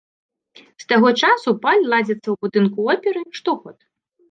З таго часу баль ладзіцца ў будынку оперы штогод.